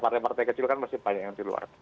partai partai kecil kan masih banyak yang di luar